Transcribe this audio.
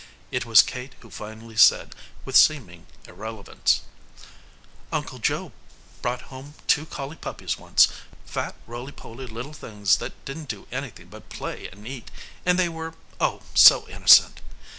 It was Kate who finally said with seeming irrelevance: "Uncle Joe brought home two collie puppies once fat, roly poly little things that didn't do anything but play and eat, and they were oh, so innocent!